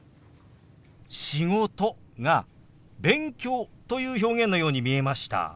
「仕事」が「勉強」という表現のように見えました。